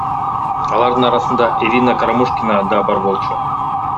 Алардын арасында Ирина Карамушкина да бар болчу.